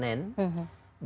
dan puasa hari kamis